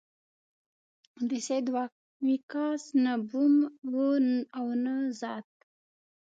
د سعد وقاص نه بوم و او نه زاد.